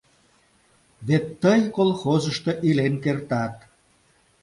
Вет тый колхозышто илен кертат.